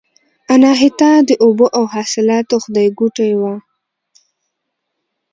اناهیتا د اوبو او حاصلاتو خدایګوټې وه